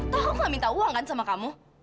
tahu aku gak minta uang kan sama kamu